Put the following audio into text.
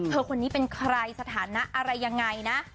คนนี้เป็นใครสถานะอะไรยังไงนะ